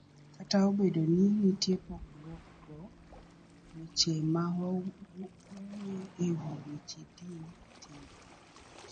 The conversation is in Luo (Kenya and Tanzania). Kata obedo ni nitie pogruokgo, weche ma wuoyo e wi weche din, timbe